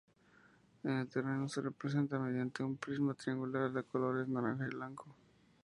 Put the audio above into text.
En el terreno se representa mediante un prisma triangular de colores naranja y blanco.